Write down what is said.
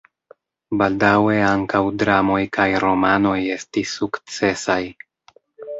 Baldaŭe ankaŭ dramoj kaj romanoj estis sukcesaj.